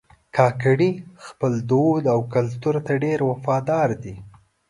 کاکړي خپل دود او کلتور ته ډېر وفادار دي.